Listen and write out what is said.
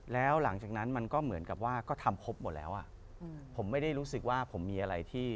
แล้วหลังจากนั้นมันก็เหมือนกับว่าก็ทำครบหมดแล้วอ่ะอืมผมไม่ได้รู้สึกว่าผมมีอะไรที่